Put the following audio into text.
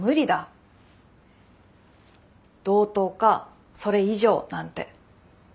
同等かそれ以上なんて。